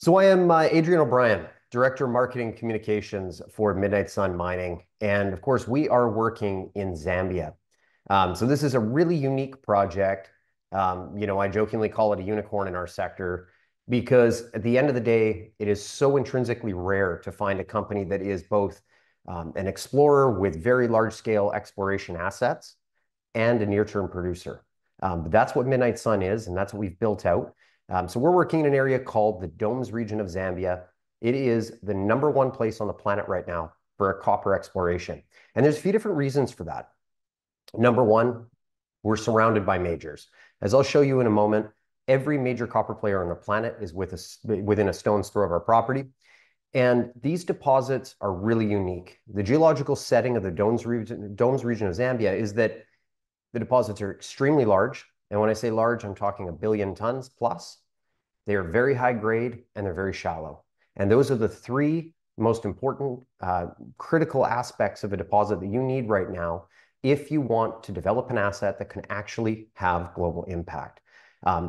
So I am Adrian O'Brien, Director of Marketing Communications for Midnight Sun Mining. And of course, we are working in Zambia. So this is a really unique project. You know, I jokingly call it a unicorn in our sector, because at the end of the day, it is so intrinsically rare to find a company that is both an explorer with very large-scale exploration assets and a near-term producer. That's what Midnight Sun is, and that's what we've built out. So we're working in an area called the Domes Region of Zambia. It is the number one place on the planet right now for copper exploration. And there's a few different reasons for that. Number one, we're surrounded by majors. As I'll show you in a moment, every major copper player on the planet is within a stone's throw of our property. And these deposits are really unique. The geological setting of the Domes region of Zambia is that the deposits are extremely large, and when I say large, I'm talking a billion tons plus. They are very high grade, and they're very shallow, and those are the three most important critical aspects of a deposit that you need right now if you want to develop an asset that can actually have global impact.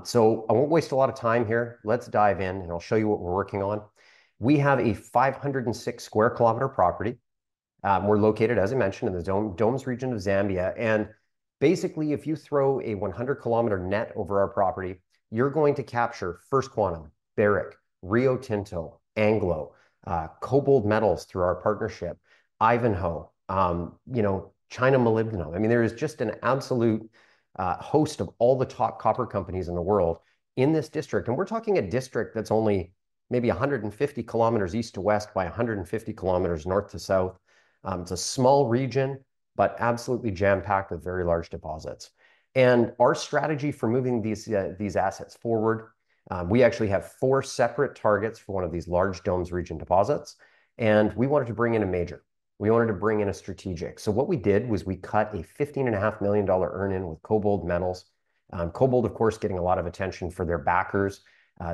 So I won't waste a lot of time here. Let's dive in, and I'll show you what we're working on. We have a 506 sq km property. We're located, as I mentioned, in the Domes Region of Zambia, and basically, if you throw a 100 km net over our property, you're going to capture First Quantum, Barrick, Rio Tinto, Anglo, KoBold Metals through our partnership, Ivanhoe, you know, China Molybdenum. I mean, there is just an absolute host of all the top copper companies in the world in this district, and we're talking a district that's only maybe 150 km east to west by 150 km north to south. It's a small region, but absolutely jam-packed with very large deposits, and our strategy for moving these assets forward, we actually have four separate targets for one of these large Domes Region deposits. We wanted to bring in a major. We wanted to bring in a strategic, so what we did was we cut a $15.5 million earn-in with KoBold Metals. KoBold, of course, getting a lot of attention for their backers.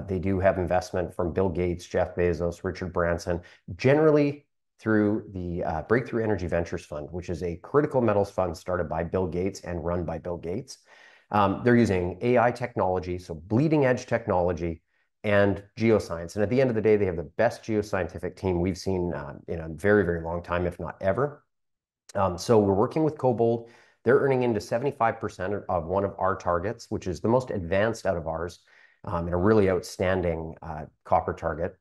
They do have investment from Bill Gates, Jeff Bezos, Richard Branson, generally through the Breakthrough Energy Ventures Fund, which is a critical metals fund started by Bill Gates and run by Bill Gates. They're using AI technology, so bleeding-edge technology and geoscience. And at the end of the day, they have the best geoscientific team we've seen in a very, very long time, if not ever. So we're working with KoBold. They're earning into 75% of one of our targets, which is the most advanced out of ours and a really outstanding copper target.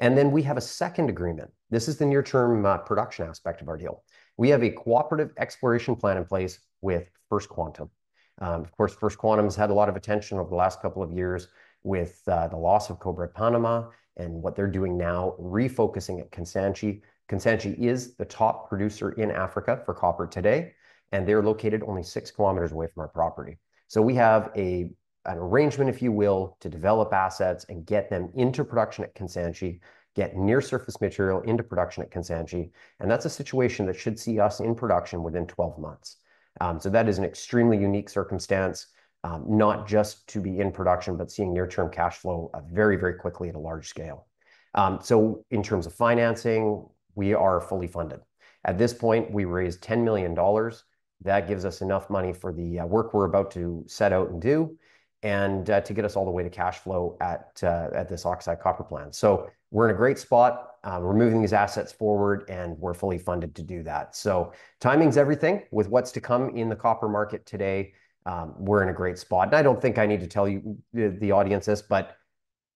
And then we have a second agreement. This is the near-term production aspect of our deal. We have a cooperative exploration plan in place with First Quantum. Of course, First Quantum has had a lot of attention over the last couple of years with the loss of Cobre Panamá and what they're doing now, refocusing at Kansanshi. Kansanshi is the top producer in Africa for copper today, and they're located only six kilometers away from our property. So we have an arrangement, if you will, to develop assets and get them into production at Kansanshi, get near-surface material into production at Kansanshi. And that's a situation that should see us in production within 12 months. So that is an extremely unique circumstance, not just to be in production, but seeing near-term cash flow very, very quickly at a large scale. So in terms of financing, we are fully funded. At this point, we raised $10 million. That gives us enough money for the work we're about to set out and do and to get us all the way to cash flow at this oxide copper plant. So we're in a great spot. We're moving these assets forward, and we're fully funded to do that. So timing's everything with what's to come in the copper market today. We're in a great spot. And I don't think I need to tell you or the audience this, but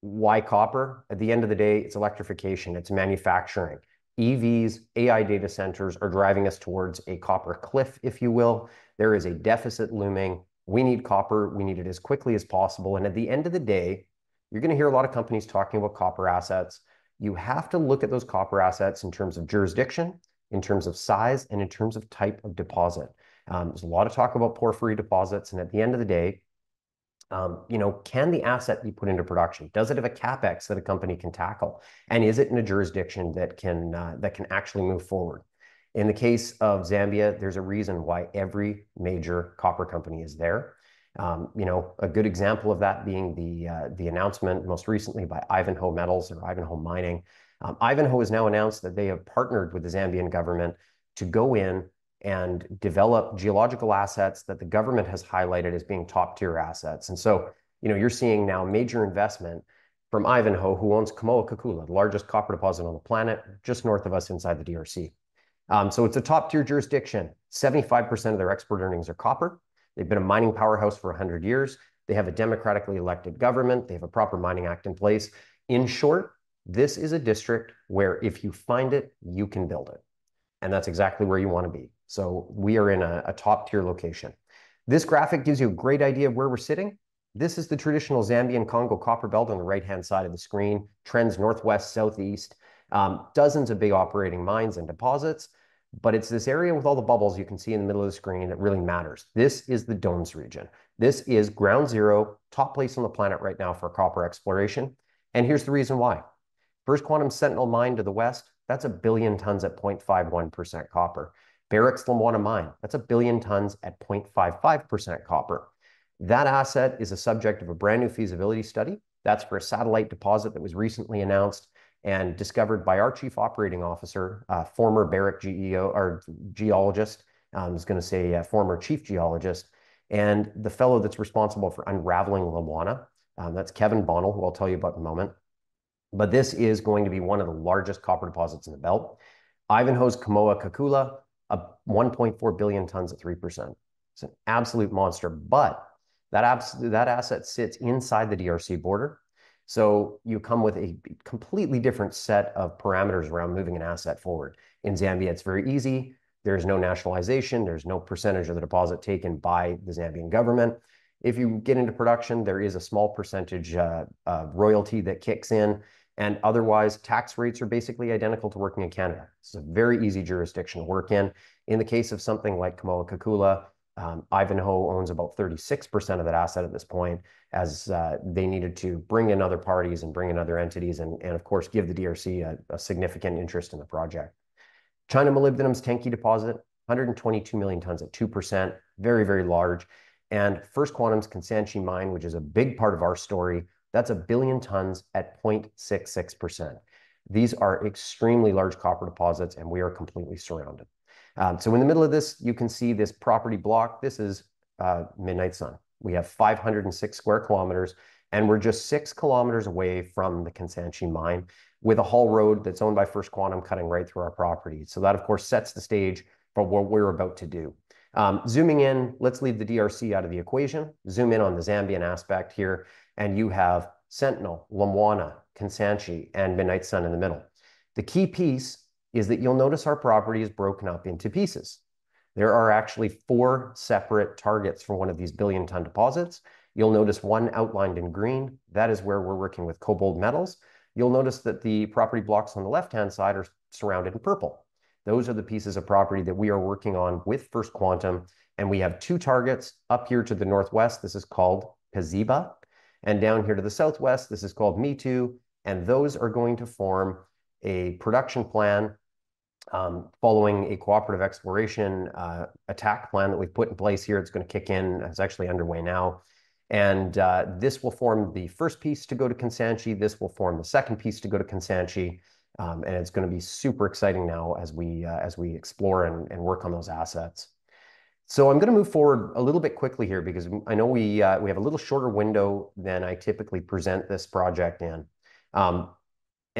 why copper? At the end of the day, it's electrification. It's manufacturing. EVs, AI data centers are driving us towards a copper cliff, if you will. There is a deficit looming. We need copper. We need it as quickly as possible. And at the end of the day, you're going to hear a lot of companies talking about copper assets. You have to look at those copper assets in terms of jurisdiction, in terms of size, and in terms of type of deposit. There's a lot of talk about porphyry deposits. And at the end of the day, you know, can the asset be put into production? Does it have a CapEx that a company can tackle? And is it in a jurisdiction that can actually move forward? In the case of Zambia, there's a reason why every major copper company is there. You know, a good example of that being the announcement most recently by Ivanhoe Metals or Ivanhoe Mining. Ivanhoe has now announced that they have partnered with the Zambian government to go in and develop geological assets that the government has highlighted as being top-tier assets. And so, you know, you're seeing now major investment from Ivanhoe, who owns Kamoa-Kakula, the largest copper deposit on the planet, just north of us inside the DRC. So it's a top-tier jurisdiction. 75% of their export earnings are copper. They've been a mining powerhouse for 100 years. They have a democratically elected government. They have a proper mining act in place. In short, this is a district where if you find it, you can build it. And that's exactly where you want to be. So we are in a top-tier location. This graphic gives you a great idea of where we're sitting. This is the traditional Zambian Congo Copperbelt on the right-hand side of the screen, trends northwest, southeast, dozens of big operating mines and deposits. But it's this area with all the bubbles you can see in the middle of the screen that really matters. This is the Domes Region. This is ground zero, top place on the planet right now for copper exploration. And here's the reason why. First Quantum Sentinel Mine to the west, that's a billion tons at 0.51% copper. Barrick's Lumwana Mine, that's a billion tons at 0.55% copper. That asset is a subject of a brand new feasibility study. That's for a satellite deposit that was recently announced and discovered by our Chief Operating Officer, former Barrick geologist, I was going to say former chief geologist, and the fellow that's responsible for unraveling Lumwana. That's Kevin Bonel, who I'll tell you about in a moment. But this is going to be one of the largest copper deposits in the belt. Ivanhoe's Kamoa-Kakula, 1.4 billion tons at 3%. It's an absolute monster. But that asset sits inside the DRC border. So you come with a completely different set of parameters around moving an asset forward. In Zambia, it's very easy. There's no nationalization. There's no percentage of the deposit taken by the Zambian government. If you get into production, there is a small percentage of royalty that kicks in. And otherwise, tax rates are basically identical to working in Canada. It's a very easy jurisdiction to work in. In the case of something like Kamoa-Kakula, Ivanhoe owns about 36% of that asset at this point, as they needed to bring in other parties and bring in other entities and, of course, give the DRC a significant interest in the project. China Molybdenum's Tenke deposit, 122 million tons at 2%, very, very large. And First Quantum's Kansanshi Mine, which is a big part of our story, that's a billion tons at 0.66%. These are extremely large copper deposits, and we are completely surrounded. So in the middle of this, you can see this property block. This is Midnight Sun. We have 506 sq km, and we're just 6 km away from the Kansanshi Mine with a haul road that's owned by First Quantum cutting right through our property. So that, of course, sets the stage for what we're about to do. Zooming in, let's leave the DRC out of the equation. Zoom in on the Zambian aspect here, and you have Sentinel, Lumwana, Kansanshi, and Midnight Sun in the middle. The key piece is that you'll notice our property is broken up into pieces. There are actually four separate targets for one of these billion-ton deposits. You'll notice one outlined in green. That is where we're working with KoBold Metals. You'll notice that the property blocks on the left-hand side are surrounded in purple. Those are the pieces of property that we are working on with First Quantum, and we have two targets up here to the northwest. This is called Kaziba, and down here to the southwest, this is called Mitu, and those are going to form a production plan following a cooperative exploration attack plan that we've put in place here. It's going to kick in. It's actually underway now, and this will form the first piece to go to Kansanshi. This will form the second piece to go to Kansanshi, and it's going to be super exciting now as we explore and work on those assets, so I'm going to move forward a little bit quickly here because I know we have a little shorter window than I typically present this project in, and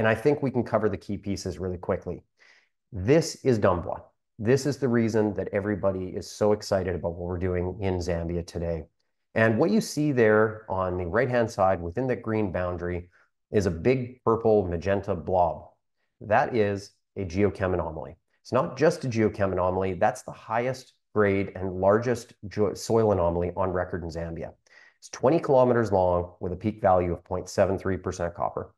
I think we can cover the key pieces really quickly. This is Dumbwa. This is the reason that everybody is so excited about what we're doing in Zambia today, and what you see there on the right-hand side within the green boundary is a big purple magenta blob. That is a geochem anomaly. It's not just a geochem anomaly. That's the highest grade and largest soil anomaly on record in Zambia. It's 20 km long with a peak value of 0.73% copper.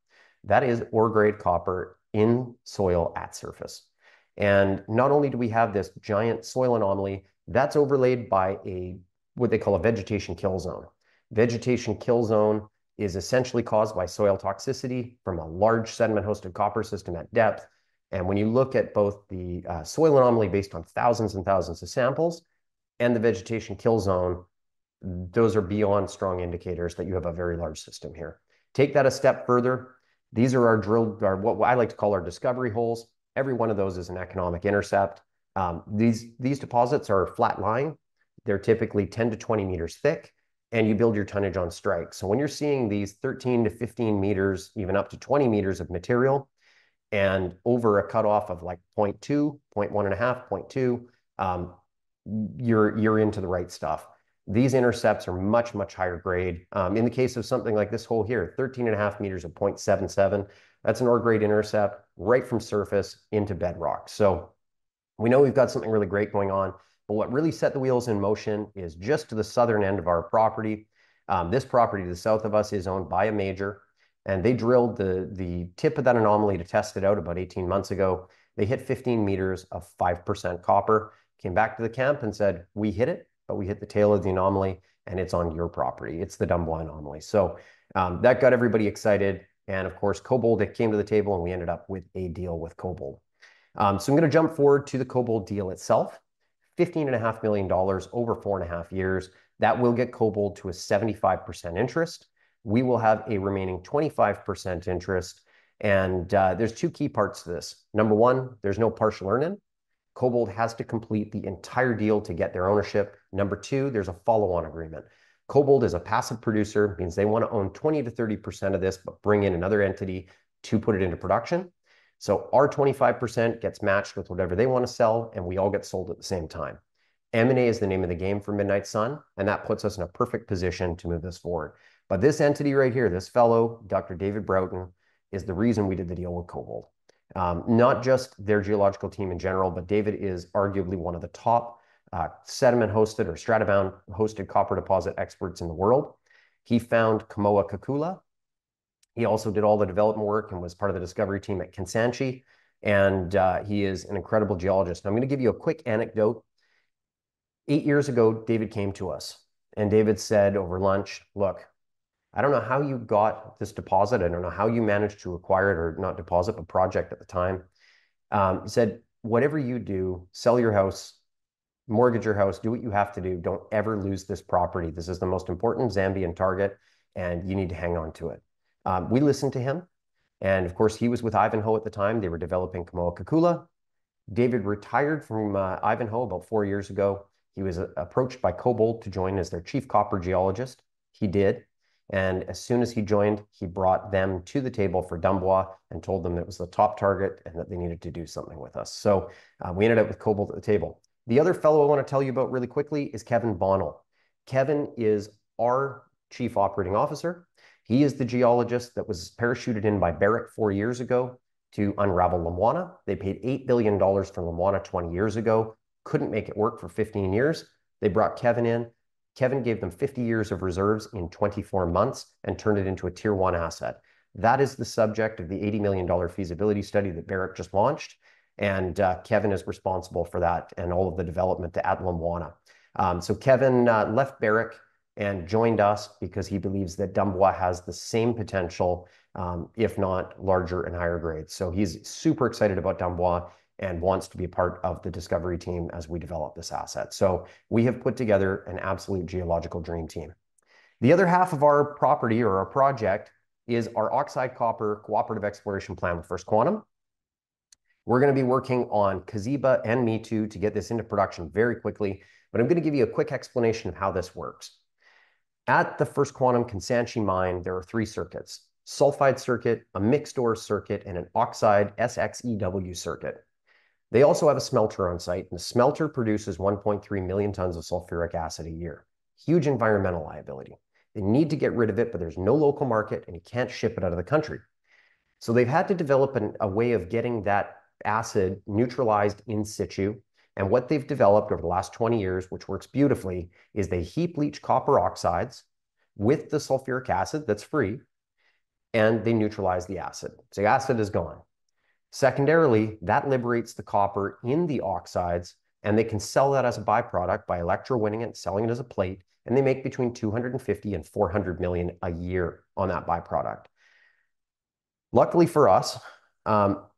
That is ore-grade copper in soil at surface. And not only do we have this giant soil anomaly, that's overlaid by what they call a vegetation kill zone. Vegetation kill zone is essentially caused by soil toxicity from a large sediment-hosted copper system at depth. And when you look at both the soil anomaly based on thousands and thousands of samples and the vegetation kill zone, those are beyond strong indicators that you have a very large system here. Take that a step further. These are our drilled, or what I like to call our discovery holes. Every one of those is an economic intercept. These deposits are flat-lying. They're typically 10-20 meters thick, and you build your tonnage on strike. So when you're seeing these 13-15 meters, even up to 20 meters of material and over a cutoff of like 0.2, 0.15, 0.2, you're into the right stuff. These intercepts are much, much higher grade. In the case of something like this hole here, 13.5 meters of 0.77, that's an ore-grade intercept right from surface into bedrock. So we know we've got something really great going on. But what really set the wheels in motion is just to the southern end of our property. This property to the south of us is owned by a major. And they drilled the tip of that anomaly to test it out about 18 months ago. They hit 15 meters of 5% copper, came back to the camp and said, "We hit it, but we hit the tail of the anomaly, and it's on your property. It's the Dumbwa anomaly." That got everybody excited. Of course, KoBold came to the table, and we ended up with a deal with KoBold. I'm going to jump forward to the KoBold deal itself. $15.5 million over four and a half years. That will get KoBold to a 75% interest. We will have a remaining 25% interest. There's two key parts to this. Number one, there's no partial earn-in. KoBold has to complete the entire deal to get their ownership. Number two, there's a follow-on agreement. KoBold is a passive producer, means they want to own 20%-30% of this, but bring in another entity to put it into production. Our 25% gets matched with whatever they want to sell, and we all get sold at the same time. M&A is the name of the game for Midnight Sun, and that puts us in a perfect position to move this forward. But this entity right here, this fellow, Dr. David Broughton, is the reason we did the deal with KoBold. Not just their geological team in general, but David is arguably one of the top sediment-hosted or stratobound-hosted copper deposit experts in the world. He found Kamoa-Kakula. He also did all the development work and was part of the discovery team at Kansanshi. And he is an incredible geologist. And I'm going to give you a quick anecdote. Eight years ago, David came to us. And David said over lunch, "Look, I don't know how you got this deposit. I don't know how you managed to acquire it or not develop a project at the time. He said, "Whatever you do, sell your house, mortgage your house, do what you have to do. Don't ever lose this property. This is the most important Zambian target, and you need to hang on to it." We listened to him. And of course, he was with Ivanhoe at the time. They were developing Kamoa-Kakula. David retired from Ivanhoe about four years ago. He was approached by KoBold to join as their chief copper geologist. He did. And as soon as he joined, he brought them to the table for Dumbwa and told them that it was the top target and that they needed to do something with us. So we ended up with KoBold at the table. The other fellow I want to tell you about really quickly is Kevin Bonel. Kevin is our Chief Operating Officer. He is the geologist that was parachuted in by Barrick four years ago to unravel Lumwana. They paid $8 billion for Lumwana 20 years ago, couldn't make it work for 15 years. They brought Kevin in. Kevin gave them 50 years of reserves in 24 months and turned it into a tier one asset. That is the subject of the $80 million feasibility study that Barrick just launched, and Kevin is responsible for that and all of the development to add Lumwana, so Kevin left Barrick and joined us because he believes that Dumbwa has the same potential, if not larger and higher grade, so he's super excited about Dumbwa and wants to be a part of the discovery team as we develop this asset, so we have put together an absolute geological dream team. The other half of our property or our project is our oxide copper cooperative exploration plan with First Quantum. We're going to be working on Kaziba and Mitu to get this into production very quickly. But I'm going to give you a quick explanation of how this works. At the First Quantum Kansanshi Mine, there are three circuits: sulfide circuit, a mixed ore circuit, and an oxide SX-EW circuit. They also have a smelter on site, and the smelter produces 1.3 million tons of sulfuric acid a year. Huge environmental liability. They need to get rid of it, but there's no local market, and you can't ship it out of the country. So they've had to develop a way of getting that acid neutralized in situ. And what they've developed over the last 20 years, which works beautifully, is they heap leach copper oxides with the sulfuric acid that's free, and they neutralize the acid. So the acid is gone. Secondarily, that liberates the copper in the oxides, and they can sell that as a byproduct by electrowinning it, selling it as a plate. And they make between $250-$400 million a year on that byproduct. Luckily for us,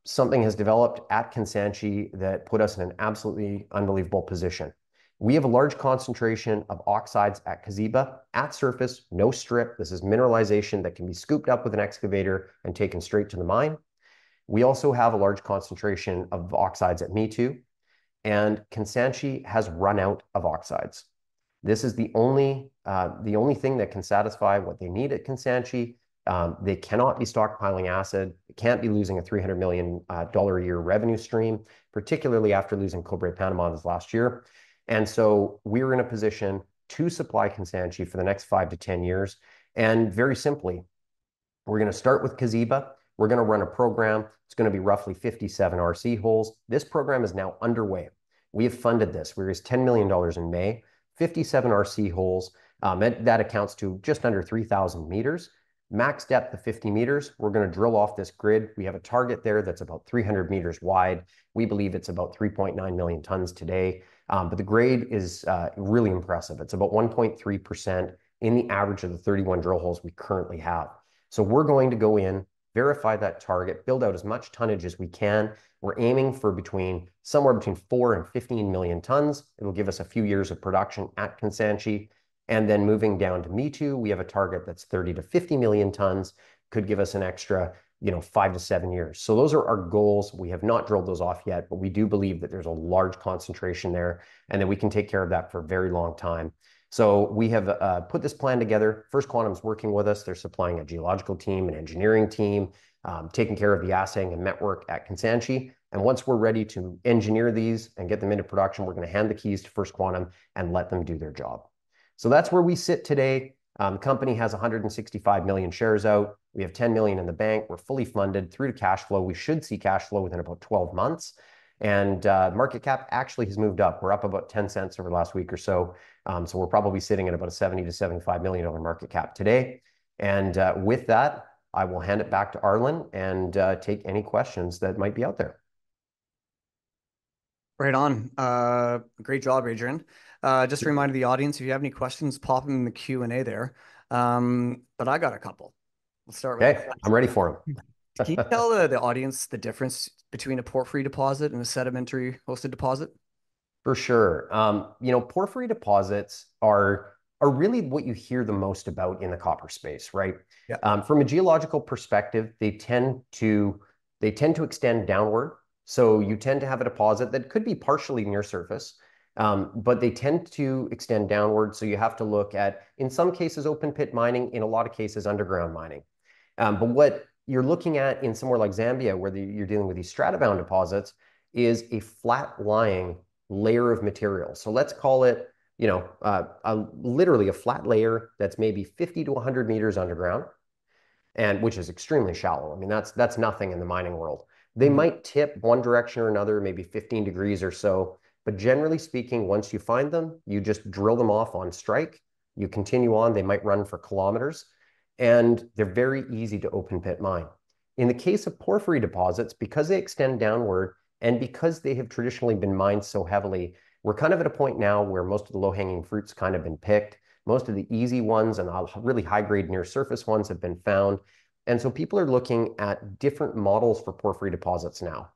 something has developed at Kansanshi that put us in an absolutely unbelievable position. We have a large concentration of oxides at Kaziba at surface, no strip. This is mineralization that can be scooped up with an excavator and taken straight to the mine. We also have a large concentration of oxides at Mitu, and Kansanshi has run out of oxides. This is the only thing that can satisfy what they need at Kansanshi. They cannot be stockpiling acid. It can't be losing a $300 million a year revenue stream, particularly after losing Cobre Panamá last year, and so we're in a position to supply Kansanshi for the next 5-10 years, and very simply, we're going to start with Kaziba. We're going to run a program. It's going to be roughly 57 RC holes. This program is now underway. We have funded this. We raised C$10 million in May, 57 RC holes. That accounts to just under 3,000 meters. Max depth of 50 meters. We're going to drill off this grid. We have a target there that's about 300 meters wide. We believe it's about 3.9 million tons today, but the grade is really impressive. It's about 1.3% in the average of the 31 drill holes we currently have. We're going to go in, verify that target, build out as much tonnage as we can. We're aiming for somewhere between 4 and 15 million tons. It'll give us a few years of production at Kansanshi. Then moving down to Mitu, we have a target that's 30-50 million tons. It could give us an extra 5-7 years. Those are our goals. We have not drilled those off yet, but we do believe that there's a large concentration there, and that we can take care of that for a very long time. We have put this plan together. First Quantum's working with us. They're supplying a geological team, an engineering team, taking care of the assaying and metallurgy at Kansanshi. Once we're ready to engineer these and get them into production, we're going to hand the keys to First Quantum and let them do their job. That's where we sit today. The company has 165 million shares out. We have 10 million in the bank. We're fully funded through to cash flow. We should see cash flow within about 12 months. Market cap actually has moved up. We're up about $0.10 over the last week or so. We're probably sitting at about a 70- 75 million dollar market cap today. With that, I will hand it back to Arlen and take any questions that might be out there. Right on. Great job, Adrian. Just a reminder to the audience, if you have any questions, pop them in the Q&A there. I got a couple. We'll start with. Okay, I'm ready for them. Can you tell the audience the difference between a porphyry deposit and a sediment-hosted deposit? For sure. You know, porphyry deposits are really what you hear the most about in the copper space, right? From a geological perspective, they tend to extend downward. So you tend to have a deposit that could be partially near surface, but they tend to extend downward. So you have to look at, in some cases, open pit mining, in a lot of cases, underground mining. But what you're looking at in somewhere like Zambia, where you're dealing with these stratobound deposits, is a flat-lying layer of material. So let's call it, you know, literally a flat layer that's maybe 50-100 meters underground, which is extremely shallow. I mean, that's nothing in the mining world. They might tip one direction or another, maybe 15 degrees or so. But generally speaking, once you find them, you just drill them off on strike. You continue on. They might run for kilometers. And they're very easy to open pit mine. In the case of porphyry deposits, because they extend downward and because they have traditionally been mined so heavily, we're kind of at a point now where most of the low-hanging fruit's kind of been picked. Most of the easy ones and really high-grade near-surface ones have been found. And so people are looking at different models for porphyry deposits now.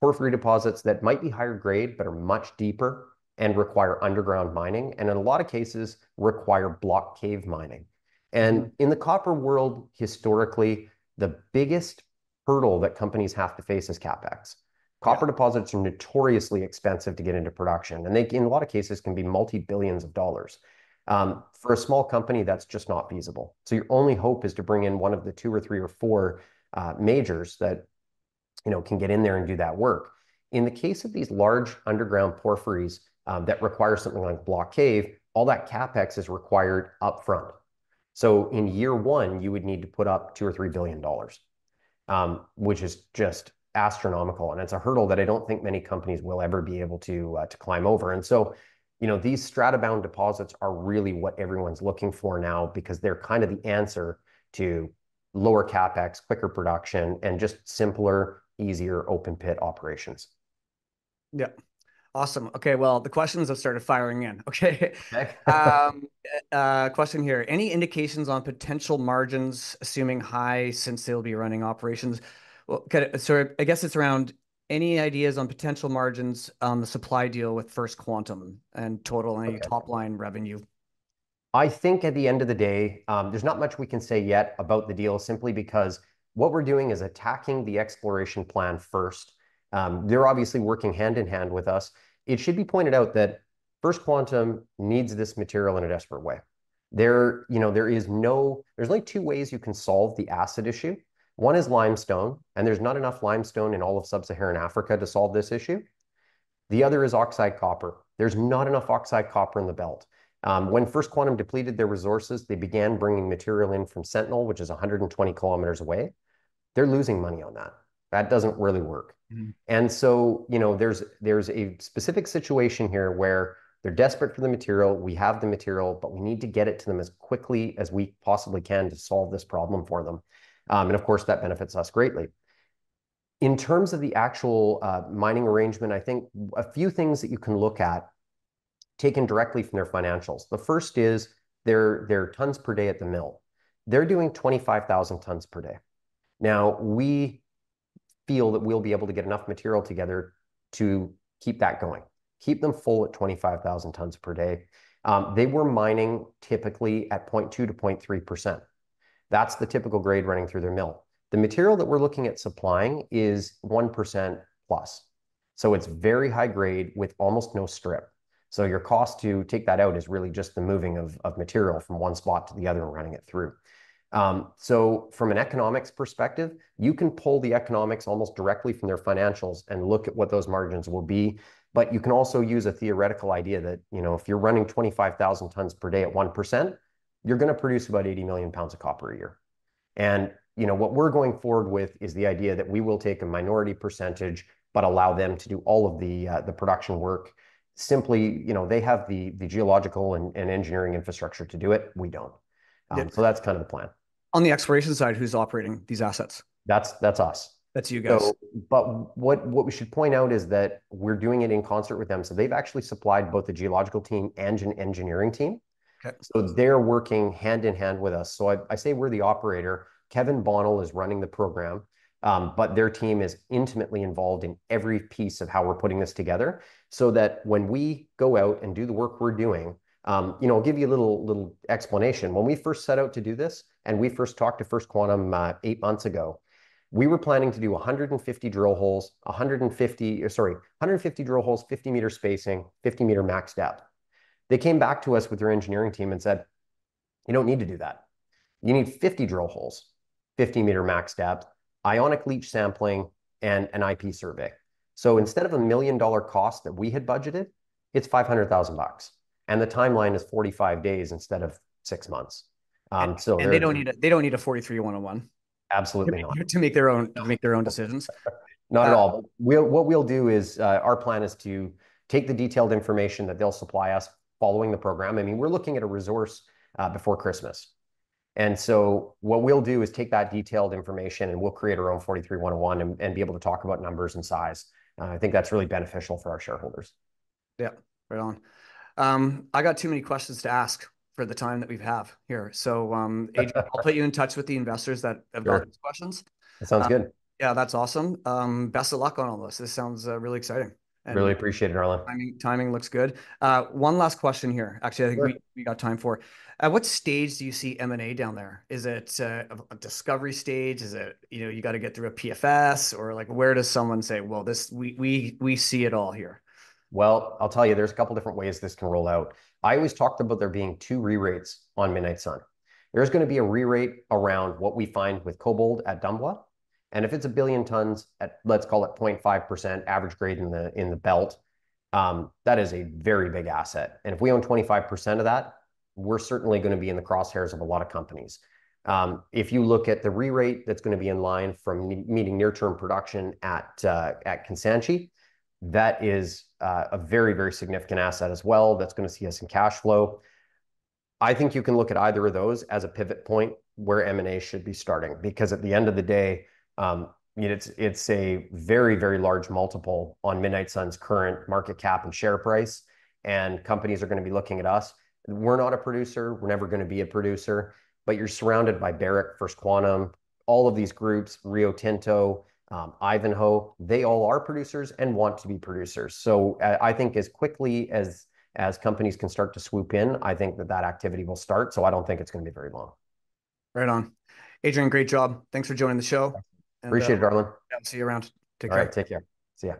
Porphyry deposits that might be higher grade, but are much deeper and require underground mining, and in a lot of cases, require block cave mining. And in the copper world, historically, the biggest hurdle that companies have to face is CapEx. Copper deposits are notoriously expensive to get into production, and they, in a lot of cases, can be multi-billions of dollars. For a small company, that's just not feasible. So your only hope is to bring in one of the two or three or four majors that, you know, can get in there and do that work. In the case of these large underground porphyries that require something like block cave, all that CapEx is required upfront, so in year one, you would need to put up two or three billion dollars, which is just astronomical, and it's a hurdle that I don't think many companies will ever be able to climb over, and so, you know, these stratobound deposits are really what everyone's looking for now because they're kind of the answer to lower CapEx, quicker production, and just simpler, easier open pit operations. Yeah. Awesome. Okay. The questions have started firing in. Okay. Question here. Any indications on potential margins, assuming high since they'll be running operations? So I guess it's around any ideas on potential margins on the supply deal with First Quantum and total and any top-line revenue? I think at the end of the day, there's not much we can say yet about the deal simply because what we're doing is attacking the exploration plan first. They're obviously working hand in hand with us. It should be pointed out that First Quantum needs this material in a desperate way. There's only two ways you can solve the acid issue. One is limestone, and there's not enough limestone in all of sub-Saharan Africa to solve this issue. The other is oxide copper. There's not enough oxide copper in the belt. When First Quantum depleted their resources, they began bringing material in from Sentinel, which is 120 km away. They're losing money on that. That doesn't really work. And so, you know, there's a specific situation here where they're desperate for the material. We have the material, but we need to get it to them as quickly as we possibly can to solve this problem for them. And of course, that benefits us greatly. In terms of the actual mining arrangement, I think a few things that you can look at taken directly from their financials. The first is their tons per day at the mill. They're doing 25,000 tons per day. Now, we feel that we'll be able to get enough material together to keep that going, keep them full at 25,000 tons per day. They were mining typically at 0.2%-0.3%. That's the typical grade running through their mill. The material that we're looking at supplying is 1+%. So it's very high grade with almost no strip. So your cost to take that out is really just the moving of material from one spot to the other and running it through. So from an economics perspective, you can pull the economics almost directly from their financials and look at what those margins will be. But you can also use a theoretical idea that, you know, if you're running 25,000 tons per day at 1%, you're going to produce about 80 million pounds of copper a year. And, you know, what we're going forward with is the idea that we will take a minority percentage, but allow them to do all of the production work. Simply, you know, they have the geological and engineering infrastructure to do it. We don't. So that's kind of the plan. On the exploration side, who's operating these assets? That's us. That's you guys. But what we should point out is that we're doing it in concert with them. So they've actually supplied both the geological team and an engineering team. So they're working hand in hand with us. So I say we're the operator. Kevin Bonal is running the program, but their team is intimately involved in every piece of how we're putting this together so that when we go out and do the work we're doing, you know. I'll give you a little explanation. When we first set out to do this and we first talked to First Quantum eight months ago, we were planning to do 150 drill holes, 150, sorry, 150 drill holes, 50-meter spacing, 50-meter max depth. They came back to us with their engineering team and said, "You don't need to do that. You need 50 drill holes, 50 meter max depth, ionic leach sampling, and an IP survey." So instead of a $1 million cost that we had budgeted, it's $500,000. And the timeline is 45 days instead of six months. And they don't need a 43-101? Absolutely not. To make their own decisions. Not at all. What we'll do is our plan is to take the detailed information that they'll supply us following the program. I mean, we're looking at a resource before Christmas. And so what we'll do is take that detailed information and we'll create our own 43-101 and be able to talk about numbers and size. I think that's really beneficial for our shareholders. Yeah, right on. I got too many questions to ask for the time that we have here. So Adrian, I'll put you in touch with the investors that have got these questions. That sounds good. Yeah, that's awesome. Best of luck on all this. This sounds really exciting. Really appreciate it, Arlen. Timing looks good. One last question here. Actually, I think we got time for. At what stage do you see M&A down there? Is it a discovery stage? Is it, you know, you got to get through a PFS or like where does someone say, "Well, we see it all here"? Well, I'll tell you, there's a couple different ways this can roll out. I always talked about there being two re-rates on Midnight Sun. There's going to be a re-rate around what we find with KoBold at Dumbwa. And if it's a billion tons at, let's call it 0.5% average grade in the belt, that is a very big asset. And if we own 25% of that, we're certainly going to be in the crosshairs of a lot of companies. If you look at the re-rate that's going to be in line from meeting near-term production at Kansanshi, that is a very, very significant asset as well that's going to see us in cash flow. I think you can look at either of those as a pivot point where M&A should be starting because at the end of the day, it's a very, very large multiple on Midnight Sun's current market cap and share price. And companies are going to be looking at us. We're not a producer. We're never going to be a producer. But you're surrounded by Barrick, First Quantum, all of these groups, Rio Tinto, Ivanhoe. They all are producers and want to be producers. So I think as quickly as companies can start to swoop in, I think that that activity will start. So I don't think it's going to be very long. Right on. Adrian, great job. Thanks for joining the show. Appreciate it, Arlen. See you around. Take care. All right. Take care. See you.